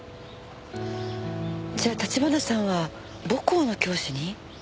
じゃあ立花さんは母校の教師に？